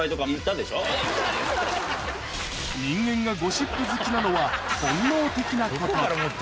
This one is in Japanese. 人間がゴシップ好きなのは本能的なこと